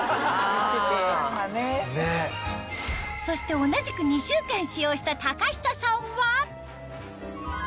そして同じく２週間使用した高下さんは？